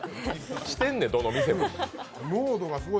してんねん、どの店も。